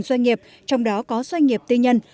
doanh nghiệp trong đó có doanh nghiệp tư nhân